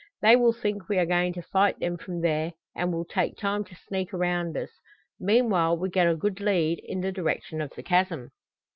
They will think we are going to fight them from there and will take time to sneak around us. Meanwhile we'll get a good lead in the direction of the chasm."